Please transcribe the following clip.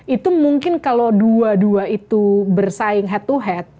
itu mungkin kalau dua dua itu bersaing head to head